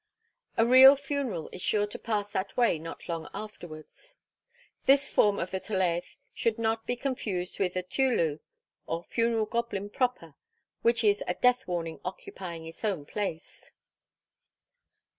A real funeral is sure to pass that way not long afterwards. This form of the Tolaeth should not be confused with the Teulu, or Goblin Funeral proper, which is a death warning occupying its own place.